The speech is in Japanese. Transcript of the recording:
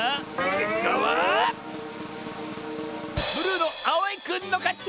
けっかはブルーのあおいくんのかち！